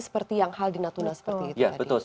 seperti yang hal di natuna seperti itu tadi